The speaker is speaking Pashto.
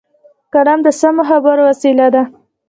قلم د سمو خبرو وسیله ده